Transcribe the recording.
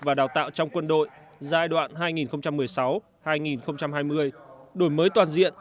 và đào tạo trong quân đội giai đoạn hai nghìn một mươi sáu hai nghìn hai mươi đổi mới toàn diện